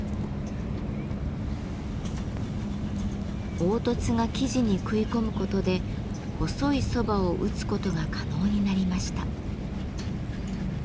凹凸が生地に食い込むことで細い蕎麦を打つことが可能になりました。